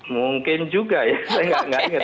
mungkin juga ya saya nggak ngerti